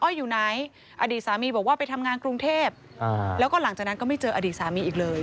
อยู่ไหนอดีตสามีบอกว่าไปทำงานกรุงเทพแล้วก็หลังจากนั้นก็ไม่เจออดีตสามีอีกเลย